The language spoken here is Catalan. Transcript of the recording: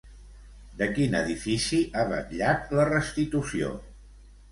De quin edifici ha vetllat la restitució?